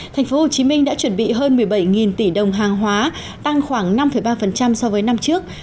thành phố hồ chí minh đã chuẩn bị hơn một mươi bảy tỷ đồng hàng hóa tăng khoảng năm ba so với năm trước